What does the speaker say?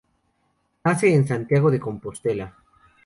Nace en Santiago de Compostela.